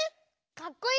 かっこいい。